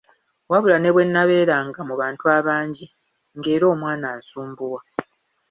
Wabula ne bwe nnabeeranga mu bantu abangi nga era omwana ansumbuwa.